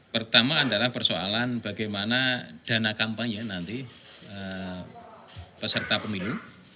pertama adalah persoalan bagaimana dana kampanye nanti peserta pemilu